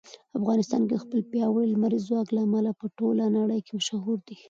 افغانستان د خپل پیاوړي لمریز ځواک له امله په ټوله نړۍ کې مشهور دی.